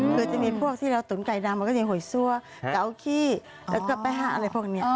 คือจะมีพวกที่เราตุ๋นไก่ดำมันก็จะมีหวยซั่วเกาขี้แล้วก็แป้งอะไรพวกนี้